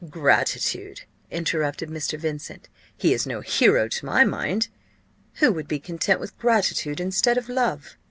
"Gratitude!" interrupted Mr. Vincent: "he is no hero, to my mind, who would be content with gratitude, instead of love."